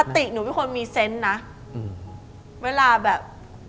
ติหนูเป็นคนมีเซนต์นะเวลาแบบ